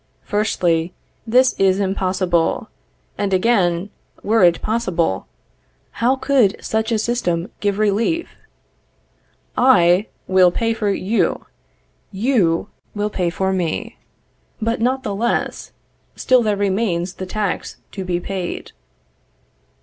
Firstly, this is impossible; and, again, were it possible, how could such a system give relief? I will pay for you, you will pay for me; but not the less, still there remains the tax to be paid.